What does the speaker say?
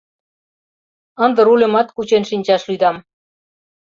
Ынде рульымат кучен шинчаш лӱдам...